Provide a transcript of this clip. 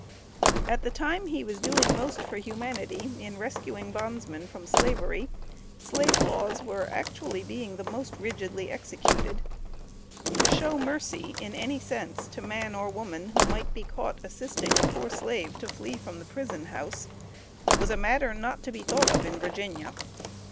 At the time he was doing most for humanity in rescuing bondsmen from Slavery, Slave laws were actually being the most rigidly executed. To show mercy, in any sense, to man or woman, who might be caught assisting a poor Slave to flee from the prison house, was a matter not to be thought of in Virginia.